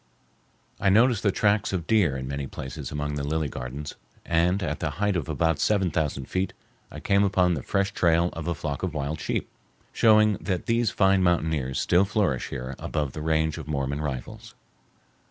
I noticed the tracks of deer in many places among the lily gardens, and at the height of about seven thousand feet I came upon the fresh trail of a flock of wild sheep, showing that these fine mountaineers still flourish here above the range of Mormon rifles.